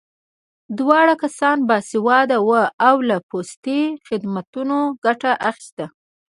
دواړه کسان باسواده وو او له پوستي خدمتونو ګټه اخیست